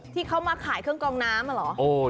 ที่เขามาขายเครื่องกองน้ำเหรอ